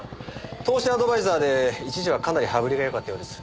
投資アドバイザーで一時はかなり羽振りがよかったようです。